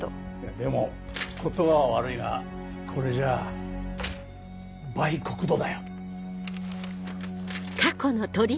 でも言葉は悪いがこれじゃあ売国奴だよ。